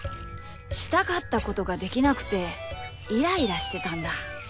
したかったことができなくてイライラしてたんだ。